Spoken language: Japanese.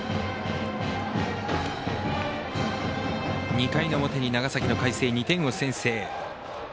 ２回の表に、長崎の海星２点を先制。